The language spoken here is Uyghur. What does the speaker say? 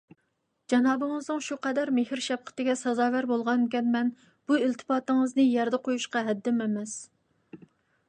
جانابىڭىزنىڭ شۇ قەدەر مېھىر - شەپقىتىگە سازاۋەر بولغانىكەنمەن، بۇ ئىلتىپاتىڭىزنى يەردە قويۇشقا ھەددىم ئەمەس.